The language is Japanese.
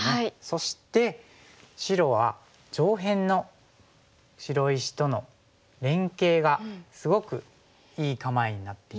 そして白は上辺の白石との連携がすごくいい構えになってきて。